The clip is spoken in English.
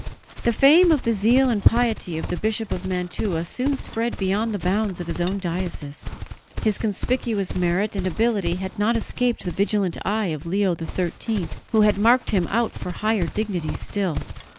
The fame of the zeal and piety of the Bishop of Mantua soon spread beyond the bounds of his own diocese. His conspicuous merit and ability had not escaped the vigilant eye of Leo XIII, who had marked him out for higher dignity still.